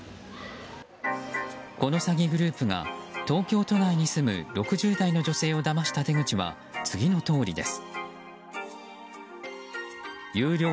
この詐欺グループが東京都内に住む６０代の女性をだました手口は次のとおりです。